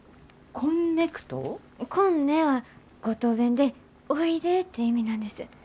「こんね」は五島弁でおいでって意味なんです。